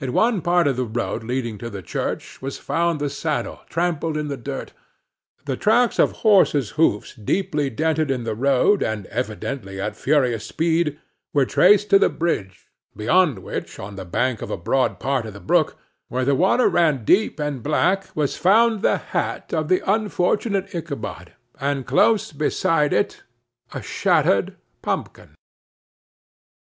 In one part of the road leading to the church was found the saddle trampled in the dirt; the tracks of horses' hoofs deeply dented in the road, and evidently at furious speed, were traced to the bridge, beyond which, on the bank of a broad part of the brook, where the water ran deep and black, was found the hat of the unfortunate Ichabod, and close beside it a shattered pumpkin.